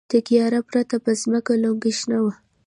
د ګیاه پرته په ځمکه لونګۍ شنه وه.